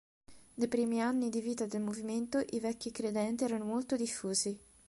Nei primi anni di vita del movimento i Vecchi credenti erano molto diffusi.